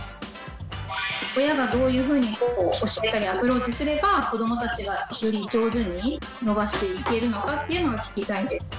親がどういうふうに教えたりアプローチすれば子どもたちがより上手に伸ばしていけるのかっていうのが聞きたいです。